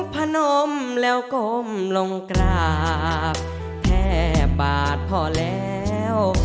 พนมแล้วก้มลงกราบแค่บาทพอแล้ว